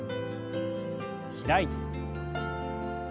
開いて。